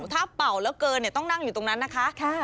ถ้าเป่าแล้วเกินต้องนั่งอยู่ตรงนั้นนะคะ